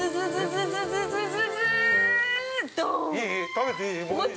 食べていい？